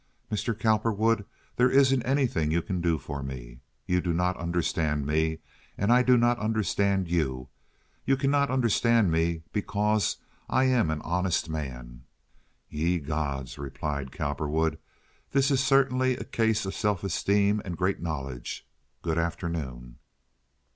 "Mr. Cowperwood, there isn't anything you can do for me. You do not understand me, and I do not understand you. You cannot understand me because I am an honest man." "Ye gods!" replied Cowperwood. "This is certainly a case of self esteem and great knowledge. Good afternoon."